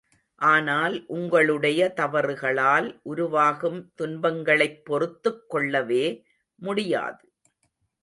ஆனால், உங்களுடைய தவறுகளால் உருவாகும் துன்பங்களைப் பொறுத்துக் கொள்ளவே முடியாது.